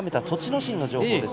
心の情報です。